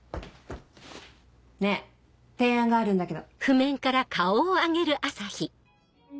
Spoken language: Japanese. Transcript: ねぇ提案があるんだけど。